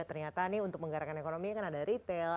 ternyata ini untuk menggarakkan ekonomi kan ada retail